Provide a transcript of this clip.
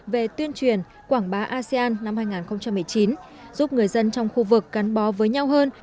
về tuyên truyền quảng bá asean năm hai nghìn một mươi chín giúp người dân trong khu vực cắn bó với nhau hơn